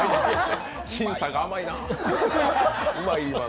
審査が甘いな。